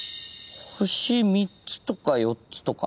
星３つとか４つとか。